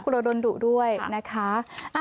คุณโรย์โดนดุด้วยนะคะ